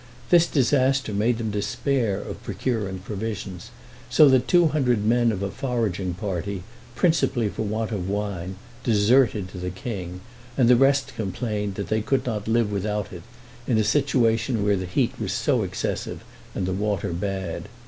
This disaster made them despair of procuring provisions, so that two hundred men of a foraging party, principally for want of wine, deserted to the king, and the rest complained that they could not live without it, in a situation where the heat was so excessive and the water bad.